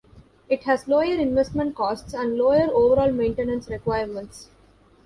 It has lower investment costs, and lower overall maintenance requirements.